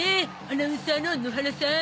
アナウンサーの野原さん。